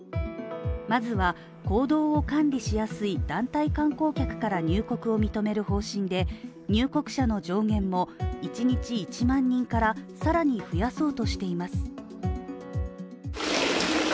まずは行動を管理しやすい団体観光客から入国を認める方針で入国者の上限も、１日１万人から更に増やそうとしています。